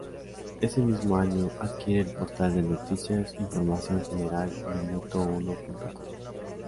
Ese mismo año, adquiere el portal de noticias e información general minutouno.com.